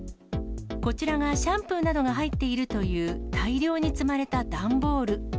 こちらがシャンプーなどが入っているという大量に積まれた段ボール。